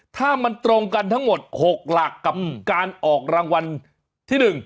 ถ้ามันตรงกันทั้งหมด๖หลักกับการออกรางวัลที่๑